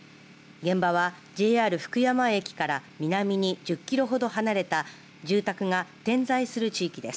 現場は、ＪＲ福山駅から南に１０キロほど離れた住宅が点在する地域です。